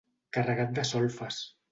Carregat de solfes.